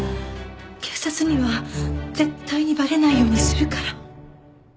警察には絶対にバレないようにするから。